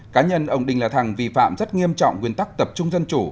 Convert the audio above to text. cá nhân ông đinh la thăng vi phạm rất nghiêm trọng nguyên tắc tập trung dân chủ